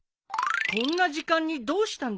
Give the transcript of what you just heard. こんな時間にどうしたんだい